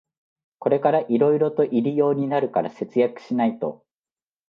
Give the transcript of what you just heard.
これからいろいろと入用になるから節約しないと